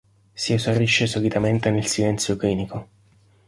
Si esaurisce solitamente nel silenzio clinico.